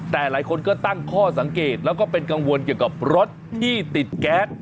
แต่หลายคนก็ตั้งข้อสังเกตแล้วก็เป็นกังวลเกี่ยวกับรถที่ติดแก๊ส